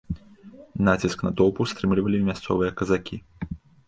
Націск натоўпу стрымлівалі мясцовыя казакі.